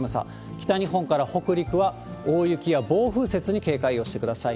北日本から北陸は、大雪や暴風雪に警戒をしてください。